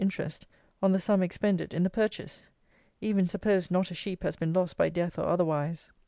interest on the sum expended in the purchase; even suppose not a sheep has been lost by death or otherwise.